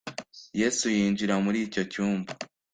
Yesu yinjira muri icyo cyumba.